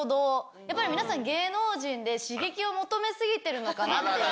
やっぱり皆さん、芸能人で刺激を求めすぎてるのかなって。